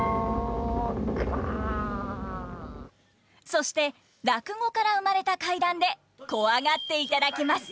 そして落語から生まれた怪談でコワがっていただきます。